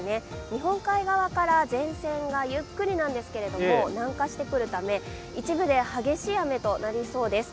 日本海側から前線がゆっくりなんですけど南下してくるため一部で激しい雨となりそうです。